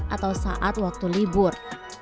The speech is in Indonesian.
atau saat waktu libur